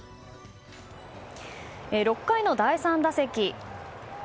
６回の第３打席。